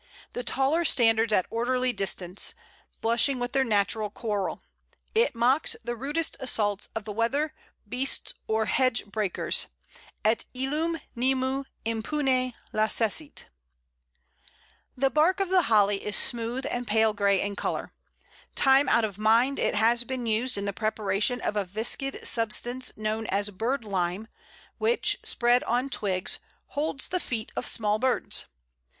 The taller standards at orderly distance, blushing with their natural coral. It mocks the rudest assaults of the weather, beasts, or hedge breakers, et illum nemo impunè lacessit." [Illustration: Pl. 81. Holly.] [Illustration: Holly.] The bark of the Holly is smooth and pale grey in colour. Time out of mind it has been used in the preparation of a viscid substance known as birdlime, which, spread on twigs, holds the feet of small birds.